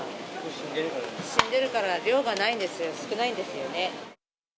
死んでるから量がないんですよ、少ないんですよね。